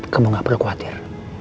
kamu gak perlu khawatir